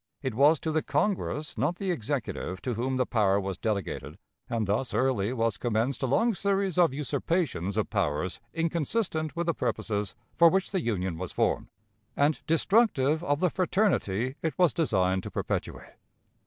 " It was to the Congress, not the Executive, to whom the power was delegated, and thus early was commenced a long series of usurpations of powers inconsistent with the purposes for which the Union was formed, and destructive of the fraternity it was designed to perpetuate.